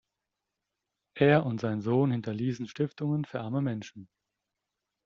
Er und sein Sohn hinterließen Stiftungen für arme Menschen.